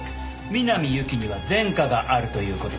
南侑希には前科があるという事です。